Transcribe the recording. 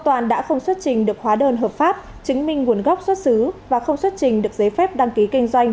xuất trình được khóa đơn hợp pháp chứng minh nguồn gốc xuất xứ và không xuất trình được giấy phép đăng ký kinh doanh